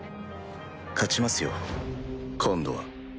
勝ちますよ今度は。